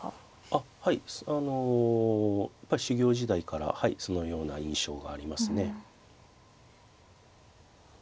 あっはいあのやっぱり修業時代からそのような印象がありますね。